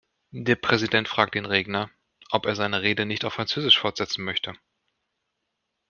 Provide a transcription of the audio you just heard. Der Präsident fragt den Redner, ob er seine Rede nicht auf französisch fortsetzen möchte.